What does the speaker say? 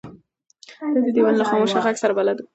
دی د دیوالونو له خاموشه غږ سره بلد و.